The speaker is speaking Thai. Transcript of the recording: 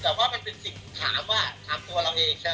แต่ว่ามันเป็นสิ่งถามว่าถามตัวเราเองใช่ไหม